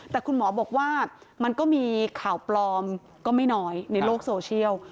แต่คุณหมอบอกว่ามันก็มีข่าวปลอมก็ไม่น้อยในโลกโซเชียล